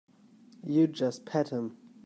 You just pat him.